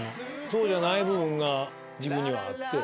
そうじゃない部分が自分にはあって。